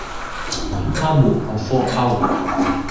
Ha bụ: ọfọ agwụ